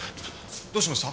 どうしました？